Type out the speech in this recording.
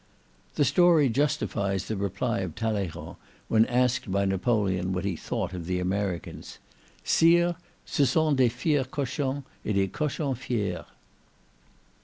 This story justifies the reply of Talleyrand, when asked by Napoleon what he thought of the Americans, "Sire, ce sont des fiers cochons, et des cochons fiers."